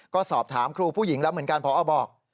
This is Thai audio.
ก็สอบถามครูผู้หญิงแล้วเหมือนกันพอบอก